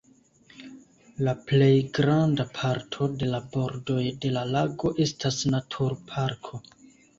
La plejgranda parto de la bordoj de la lago estas naturparko.